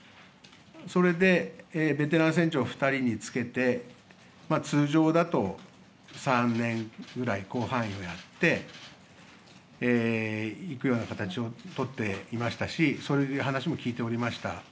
それでベテラン船長２人につけて、通常だと、３年ぐらい、甲板員をやっていくような形を取っていましたし、そういう話も聞いておりました。